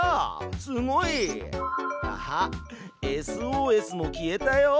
すごい！あっＳＯＳも消えたよ！